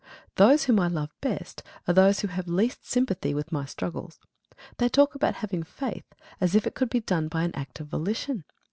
Those whom I love best are those who have least sympathy with my struggles. They talk about having faith, as if it could be done by an act of volition.